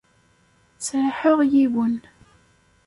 Sraḥeɣ yiwen.